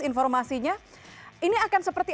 informasinya ini akan seperti